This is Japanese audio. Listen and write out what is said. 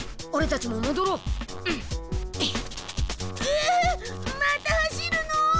えまた走るの？